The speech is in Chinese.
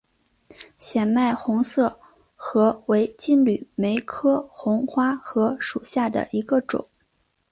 显脉红花荷为金缕梅科红花荷属下的一个种。